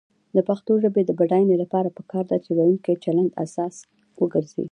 د پښتو ژبې د بډاینې لپاره پکار ده چې ویونکو چلند اساس وګرځي.